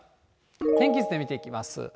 天気図で見ていきます。